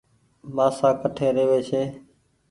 مآسآ ڪٺي روي ڇي۔